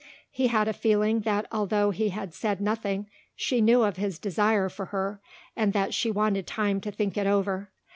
He had a feeling that although he had said nothing she knew of his desire for her and that she wanted time to think it over.